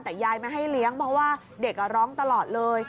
แต่ยายไม่ให้เลี้ยงเพราะว่าเด็กร้องตลอดเลย